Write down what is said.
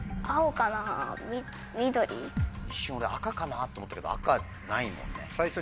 一瞬俺赤かなと思ったけど赤ないもんね。